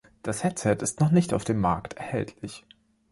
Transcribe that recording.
Das Headset ist noch nicht auf dem Markt erhältlich.